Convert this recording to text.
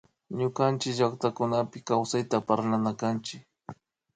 Ñukanchick llactakunapi kawpayta parlana kanchik